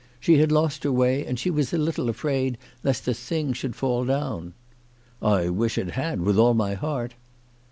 She had lost her way, and she was a little afraid lest the thing should fall down." " I wish it had, with all my heart."